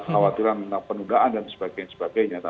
khawatiran tentang penundaan dan sebagainya